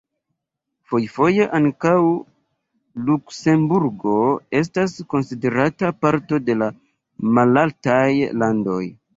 Fojfoje ankaŭ Luksemburgo estas konsiderata parto de la Malaltaj Landoj.